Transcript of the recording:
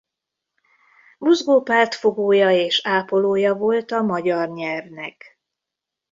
Buzgó pártfogója és ápolója volt a magyar nyelvnek.